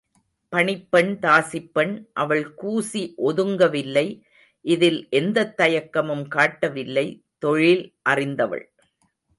பணிப்பெண் தாசிப்பெண் அவள் கூசி ஒதுங்கவில்லை இதில் எந்தத் தயக்கமும் காட்டவில்லை தொழில் அறிந்தவள்.